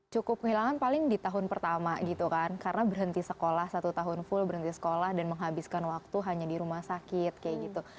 cukup kehilangan paling di tahun pertama gitu kan karena berhenti sekolah satu tahun full berhenti sekolah dan menghabiskan waktu hanya di rumah sakit kayak gitu